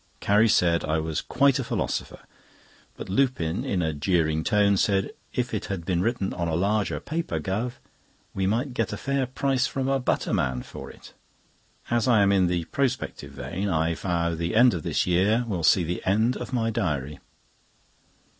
Carrie said I was quite a philosopher; but Lupin, in a jeering tone, said: "If it had been written on larger paper, Guv., we might get a fair price from a butterman for it." As I am in the prospective vein, I vow the end of this year will see the end of my diary.